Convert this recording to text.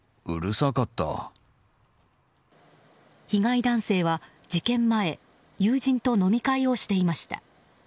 被害男性は事件前友人と飲み会をしていました。